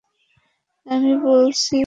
আমি বলেছি একথা।